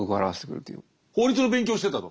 法律の勉強をしてたと。